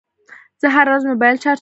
زه هره ورځ موبایل چارجوم.